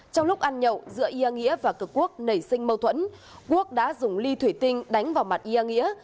trong lúc ăn nhậu giữa ia nghĩa và cực quốc nảy sinh mâu thuẫn quốc đã dùng ly thủy tinh đánh vào mặt ia nghĩa